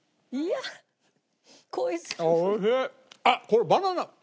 あっこれバナナ